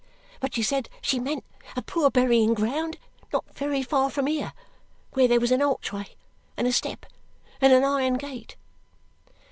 But she said she meant a poor burying ground not very far from here, where there was an archway, and a step, and an iron gate."